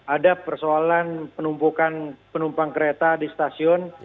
ada persoalan penumpukan penumpang kereta di stasiun